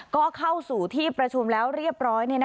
ก็เข้าสู่ที่ประชุมแล้วเรียบร้อย